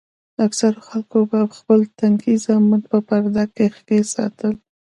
اکثرو خلکو به خپل تنکي زامن په پرده کښې ساتل.